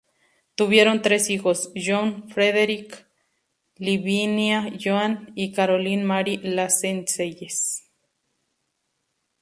Tuvieron tres hijos: John Frederick, Lavinia Joan y Caroline Mary Lascelles.